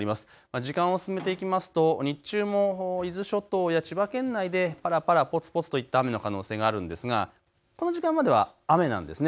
時間を進めていきますと日中も伊豆諸島や千葉県内でぱらぱらぽつぽつといった雨の可能性があるんですが、この時間までは雨なんですね。